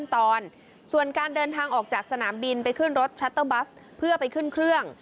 ทางออกจากสนามบินไปขึ้นรถชัตเตอร์บัสเพื่อไปขึ้นเครื่อง